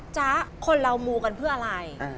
จ๊ะคนเรามูกันเพื่ออะไร